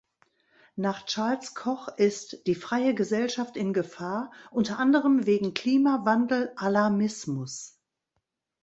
Nach Charles Koch ist „die freie Gesellschaft in Gefahr, unter anderem wegen Klimawandel-Alarmismus“.